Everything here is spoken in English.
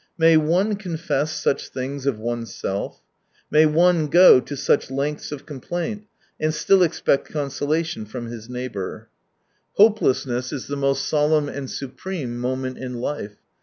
May^one confess such things of oneself ? May one go to such lengths of complaint, and still expect consolation from his neighbour ? r 8, Hopelessness is the most solemn and supreme moment in life.